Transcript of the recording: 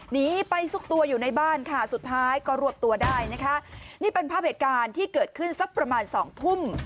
หนีไปซุกตัวอยู่ในบ้านค่ะสุดท้ายก็รวบตัวได้นะคะนี่เป็นภาพเหตุการณ์ที่เกิดขึ้นสักประมาณสองทุ่ม